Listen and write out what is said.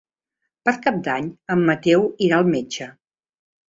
Per Cap d'Any en Mateu irà al metge.